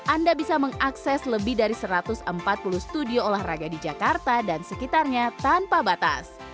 anda bisa mengakses lebih dari satu ratus empat puluh studio olahraga di jakarta dan sekitarnya tanpa batas